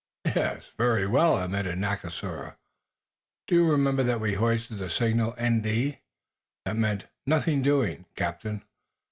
"Yes; very well," admitted Nakasura. "Do you remember that we hoisted the signal, N.D.? That meant 'nothing doing,' Captain.